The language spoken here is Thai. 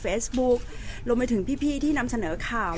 แต่ว่าสามีด้วยคือเราอยู่บ้านเดิมแต่ว่าสามีด้วยคือเราอยู่บ้านเดิม